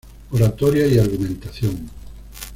Oratoria y Argumentación.